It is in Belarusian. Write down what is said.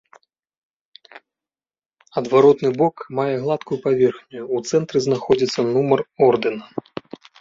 Адваротны бок мае гладкую паверхню, у цэнтры знаходзіцца нумар ордэна.